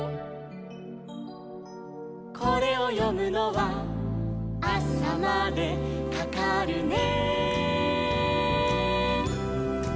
「これをよむのはあさまでかかるね」